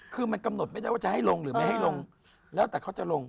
คือมันกำหนดไม่ได้ว่าจะให้ลงหรือไม่ให้ลงแล้วแต่เขาจะลง